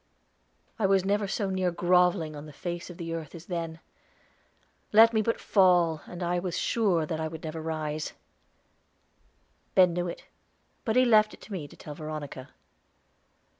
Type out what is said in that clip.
I was never so near groveling on the face of the earth as then; let me but fall, and I was sure that I never should rise. Ben knew it, but left it to me to tell Veronica.